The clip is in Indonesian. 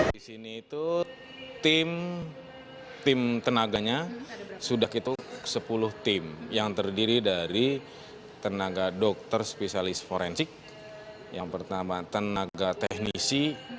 di sini itu tim tenaganya sudah itu sepuluh tim yang terdiri dari tenaga dokter spesialis forensik yang pertama tenaga teknisi